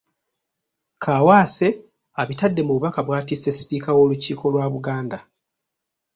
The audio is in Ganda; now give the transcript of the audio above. Kaawaase abitadde mu bubaka bw’atisse Sipiika w’Olukiiko lwa Buganda.